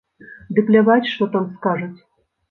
Ды пляваць, што там скажуць!